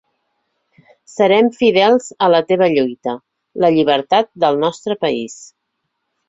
Serem fidels a la teva lluita: la llibertat del nostre país.